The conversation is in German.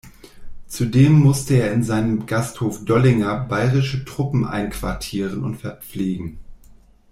Zudem musste er in seinem Gasthof Dollinger bayrische Truppen einquartieren und verpflegen.